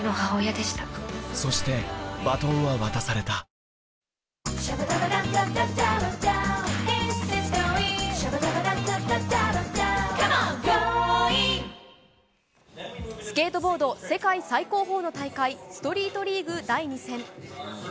この後スケートボード世界最高峰の大会、ストリートリーグ第２戦。